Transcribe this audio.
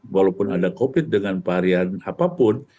walaupun ada covid dengan varian apapun